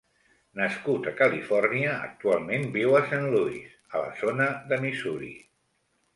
Nascut a Califòrnia, actualment viu a Saint Louis, a la zona de Missouri.